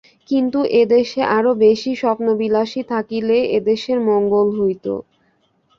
কিন্তু এদেশে আরও বেশী স্বপ্নবিলাসী থাকিলে এদেশের মঙ্গল হইত।